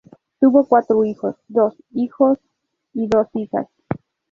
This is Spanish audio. Tuvo cuatro hijos: dos hijos y dos hijas.